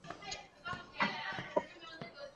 贞观十一年刺史。